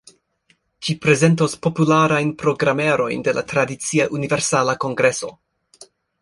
Ĝi prezentos popularajn programerojn de la tradicia Universala Kongreso.